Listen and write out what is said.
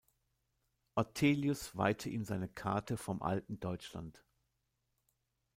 Ortelius weihte ihm seine Karte vom alten Deutschland.